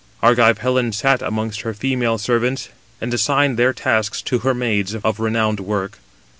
Argive Helen sat amongst her female servants, and assigned their tasks to her maids of renowned work.